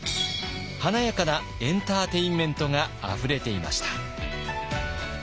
華やかなエンターテインメントがあふれていました。